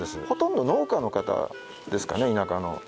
ほとんど農家の方ですかね田舎の。